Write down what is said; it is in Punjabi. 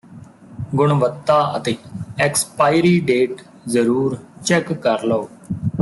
ਗੁਣਵੱਤਾ ਅਤੇ ਐਕਸਪਾਇਰੀ ਡੇਟ ਜ਼ਰੂਰ ਚੈੱਕ ਕਰ ਲਓ